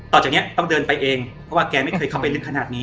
ต่อจากนี้ต้องเดินไปเองเพราะว่าแกไม่เคยเข้าไปลึกขนาดนี้